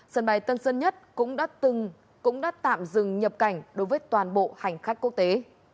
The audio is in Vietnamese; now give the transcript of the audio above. sân bay tân sơn nhất cũng đã tạm dừng nhập cảnh đối với toàn bộ hành khách quốc tế